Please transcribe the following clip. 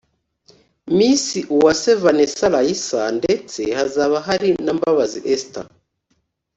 Miss Uwase Vanessa Raissa ndetse hazaba hari na Mbabazi Esther